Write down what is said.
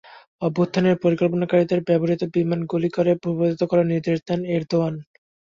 অভ্যুত্থানের পরিকল্পনাকারীদের ব্যবহৃত বিমান গুলি করে ভূপাতিত করার নির্দেশ দেন এরদোয়ান।